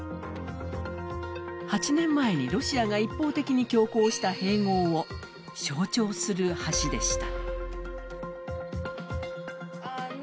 ８年前にロシアが一方的に強行した併合を象徴する橋でした。